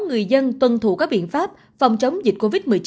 người dân tuân thủ các biện pháp phòng chống dịch covid một mươi chín